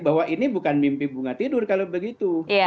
bahwa ini bukan mimpi bunga tidur kalau begitu